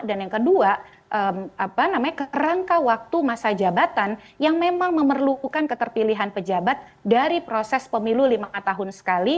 dan yang kedua kerangka waktu masa jabatan yang memang memerlukan keterpilihan pejabat dari proses pemilu lima tahun sekali